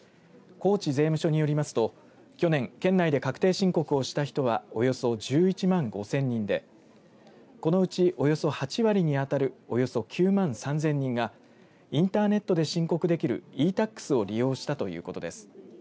高知税務署によりますと去年、県内で確定申告をした人はおよそ１１万５０００人でこのうちおよそ８割に当たるおよそ９万３０００人がインターネットで申告できるｅ‐Ｔａｘを利用したということです。